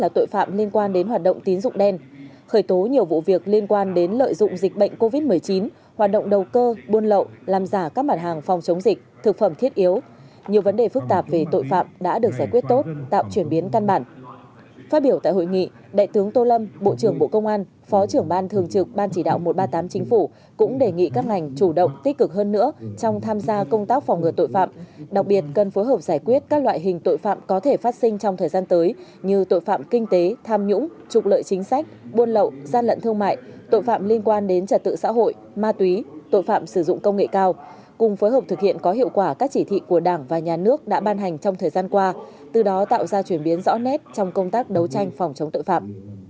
trong tham gia công tác phòng ngừa tội phạm đặc biệt cần phối hợp giải quyết các loại hình tội phạm có thể phát sinh trong thời gian tới như tội phạm kinh tế tham nhũng trục lợi chính sách buôn lậu gian lận thương mại tội phạm liên quan đến trật tự xã hội ma túy tội phạm sử dụng công nghệ cao cùng phối hợp thực hiện có hiệu quả các chỉ thị của đảng và nhà nước đã ban hành trong thời gian qua từ đó tạo ra chuyển biến rõ nét trong công tác đấu tranh phòng chống tội phạm